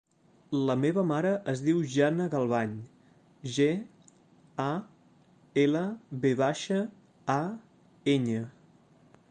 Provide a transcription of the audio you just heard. La meva mare es diu Janna Galvañ: ge, a, ela, ve baixa, a, enya.